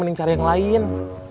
mending cari yang lain